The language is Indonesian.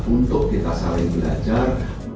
untuk kita saling belajar